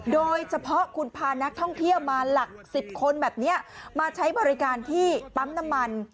โดยเฉพาะคุณพานักท่องเที่ยวมาหลัก๑๐คนแบบนี้มาใช้บริการที่ปั๊มน้ำมัน